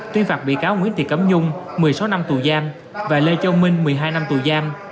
tuyên phạt bị cáo nguyễn thị cẩm nhung một mươi sáu năm tù giam và lê châu minh một mươi hai năm tù giam